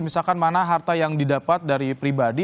misalkan mana harta yang didapat dari pribadi